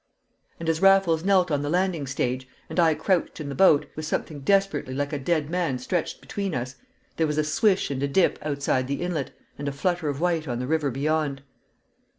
And as Raffles knelt on the landing stage, and I crouched in the boat, with something desperately like a dead man stretched between us, there was a swish and a dip outside the inlet, and a flutter of white on the river beyond.